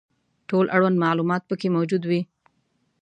ټول اړوند معلومات پکې موجود وي.